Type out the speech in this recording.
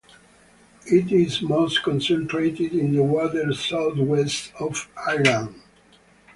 It is most concentrated in the waters southwest of Ireland.